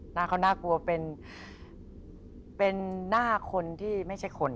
หน้าเขาน่ากลัวเป็นหน้าคนที่ไม่ใช่คน